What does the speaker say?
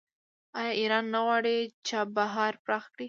آیا ایران نه غواړي چابهار پراخ کړي؟